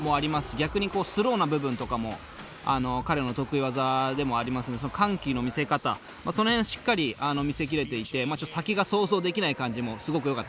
逆にスローな部分とかも彼の得意技でもありますので緩急の見せ方その辺しっかり見せきれていて先が想像できない感じもすごくよかったですね。